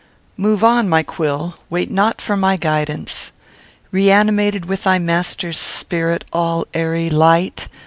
Move on, my quill! wait not for my guidance. Reanimated with thy master's spirit, all airy light!